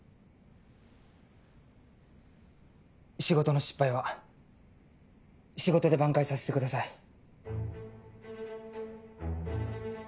仕事の失敗は仕事で挽回させてください。